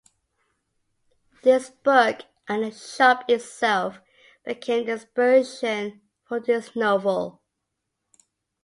This book and the shop itself became the inspiration for this novel.